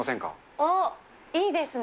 あっ、いいですね。